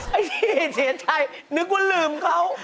ไอ้ที่เหตุชายนึกว่าลืมเขา